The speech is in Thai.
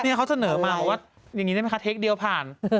นี่เขาเสนอมาว่าอย่างนี้ได้ไหมคะเทคเดียวผ่าน